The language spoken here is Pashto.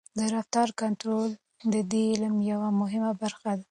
د رفتار کنټرول د دې علم یوه مهمه برخه ده.